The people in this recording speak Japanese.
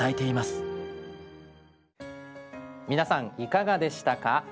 皆さんいかがでしたか？